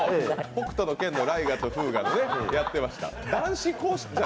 「北斗の拳」のライガとフウガ、やってました。